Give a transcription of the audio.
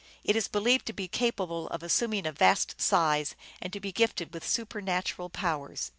It is believed to be capable of assuming a vast size and to be gifted with super natural powers.